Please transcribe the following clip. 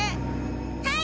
はい。